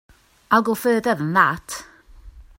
I'll go further than that.